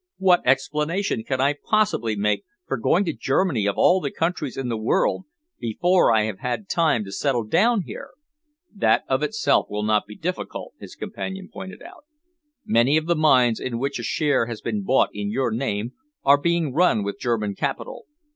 "What explanation can I possibly make for going to Germany, of all countries in the world, before I have had time to settle down here?" "That of itself will not be difficult," his companion pointed out. "Many of the mines in which a share has been bought in your name are being run with German capital.